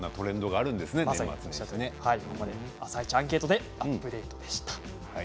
「あさイチアンケートでアップデート！」でした。